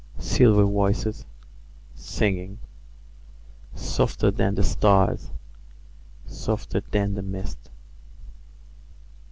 . Silver voices, singing, Softer than the stars, Softer than the mist.